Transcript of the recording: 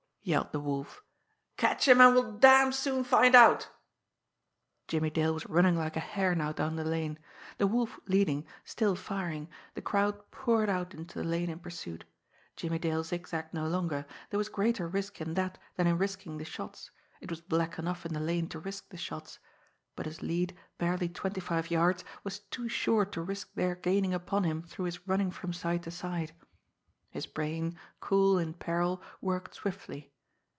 yelled the Wolf. "Catch him, and we'll damn soon find out!" Jimmie Dale was running like a hare now down the lane. The Wolf leading, still firing, the crowd poured out into the lane in pursuit. Jimmie Dale zigzagged no longer, there was greater risk in that than in risking the shots it was black enough in the lane to risk the shots; but his lead, barely twenty five yards, was too short to risk their gaining upon him through his running from side to side. His brain, cool in peril, worked swiftly.